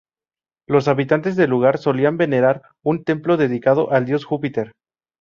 Los habitantes del lugar solían venerar un templo dedicado al dios Júpiter.